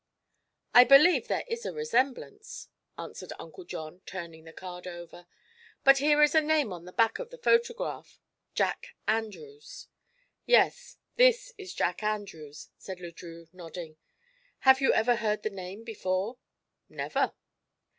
"I believe there is a resemblance," answered Uncle John, turning the card over. "But here is a name on the back of the photograph: 'Jack Andrews.'" "Yes; this is Jack Andrews," said Le Drieux, nodding. "Have you ever heard the name before?" "Never."